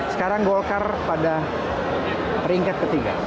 sekarang golkar pada peringkat ketiga